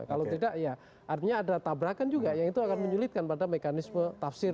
kalau tidak ya artinya ada tabrakan juga yang itu akan menyulitkan pada mekanisme tafsir